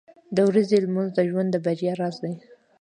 • د ورځې لمونځ د ژوند د بریا راز دی.